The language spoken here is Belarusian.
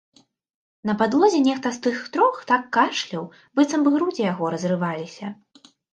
На падлозе нехта з тых трох так кашляў, быццам бы грудзі яго разрываліся.